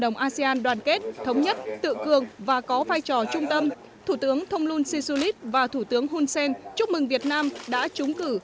nhưng thủ tướng thông luân xê xu lít và thủ tướng hun sen chúc mừng việt nam đã trúng cử